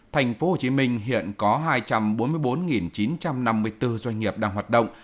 tp hcm hiện có hai trăm bốn mươi bốn chín trăm năm mươi bốn doanh nghiệp đang hoạt động